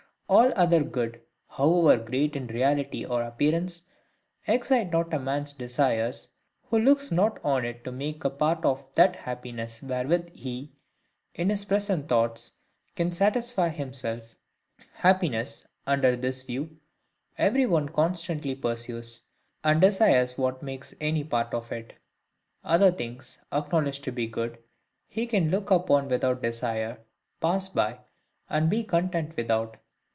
All other good, however great in reality or appearance, excites not a man's desires who looks not on it to make a part of that happiness wherewith he, in his present thoughts, can satisfy himself. Happiness, under this view, every one constantly pursues, and desires what makes any part of it: other things, acknowledged to be good, he can look upon without desire, pass by, and be content without.